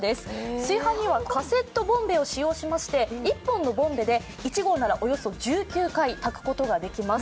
炊飯にはカセットボンベを使用しまして１本のボンベで１合ならおよそ１９回炊くことができます。